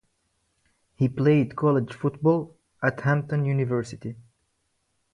He played college football at Hampton University.